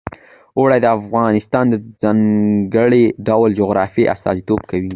اوړي د افغانستان د ځانګړي ډول جغرافیه استازیتوب کوي.